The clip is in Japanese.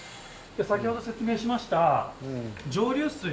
先ほど説明しました蒸留水。